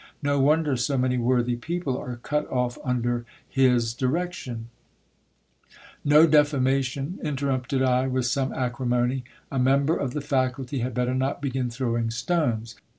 No wonder so many worthy people are cut off under his di rection No defamation ! interrupted I with some acrimony ; a member of the faculty had better not begin throwing stones.